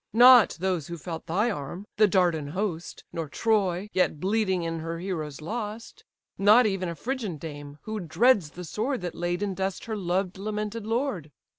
Not those who felt thy arm, the Dardan host, Nor Troy, yet bleeding in her heroes lost; Not even a Phrygian dame, who dreads the sword That laid in dust her loved, lamented lord."